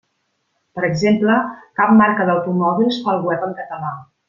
Per exemple, cap marca d'automòbils fa el web en català.